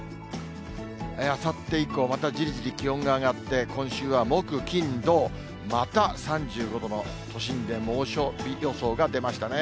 あさって以降、またじりじり気温が上がって、今週は木、金、土、また３５度以上の都心で猛暑日予想が出ましたね。